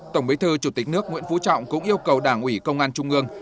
tổng bí thư chủ tịch nước nguyễn phú trọng cũng yêu cầu đảng ủy công an trung ương